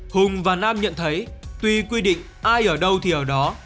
hùng và nam nhận thấy tuy quy định ai ở đâu thì ở đó